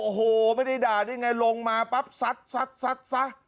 โอ้โหไม่ได้ด่าได้ไงลงมาปั๊บสัดสัดสัดสัด